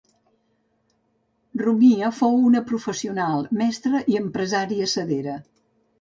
Romia fou una professional, mestra i empresària sedera.